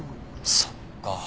そっか。